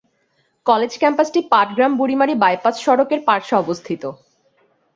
College ক্যাম্পাসটি পাটগ্রাম-বুড়িমাড়ি bypass সড়কের পার্শ্বে অবস্থিত।